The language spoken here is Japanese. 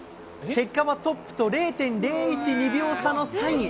結果はトップと０．０１２秒差の３位。